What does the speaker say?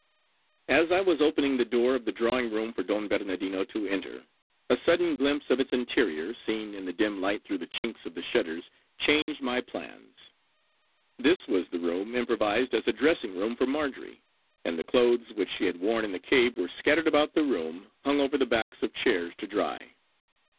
As I was opening the door of the drawing room for Don Bernardino to enter, a sudden glimpse of its interior, seen in the dim light through the chinks of the shutters, changed my plans. This was the room improvised as a dressing room for Marjory, and the clothes which she had worn in the cave were scattered about the room, hung over the backs of chairs to dry.